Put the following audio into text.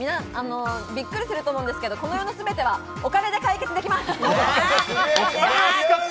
ビックリすると思うんですけど、この世のすべては、お金で解決できます。